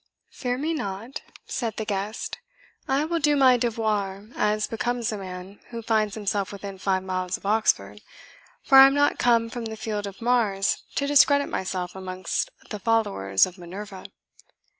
"Fear me not." said the guest, "I will do my devoir as becomes a man who finds himself within five miles of Oxford; for I am not come from the field of Mars to discredit myself amongst the followers of Minerva."